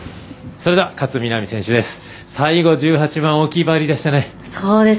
それでは勝みなみ選手です。